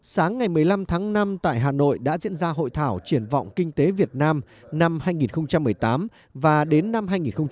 sáng ngày một mươi năm tháng năm tại hà nội đã diễn ra hội thảo triển vọng kinh tế việt nam năm hai nghìn một mươi tám và đến năm hai nghìn hai mươi